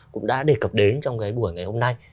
cũng đã đề cập đến trong cái buổi ngày hôm nay